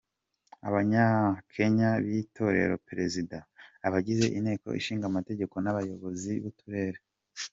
Abanyakenya bitorera perezida, abagize Inteko Ishinga Amategeko n’abayobozi b’uturere.